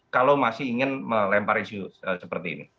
kalau masih ingin melempar isu seperti ini